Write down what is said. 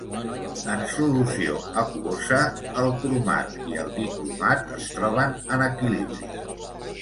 En solució aquosa, el cromat i el dicromat es troben en equilibri.